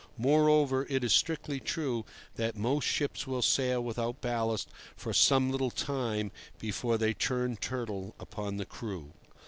Moreover, it is strictly true that most ships will sail without ballast for some little time before they turn turtle upon the crew.